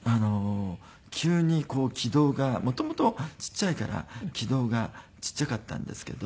急に気道が元々ちっちゃいから気道がちっちゃかったんですけど。